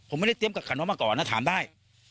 ผมไม่ได้เตรียมกับขันว่ามาก่อนนะถามได้